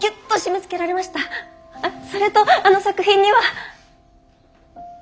それとあの作品には。